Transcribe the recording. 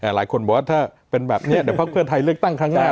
หลายคนบอกว่าถ้าเป็นแบบนี้เดี๋ยวพักเพื่อไทยเลือกตั้งครั้งหน้า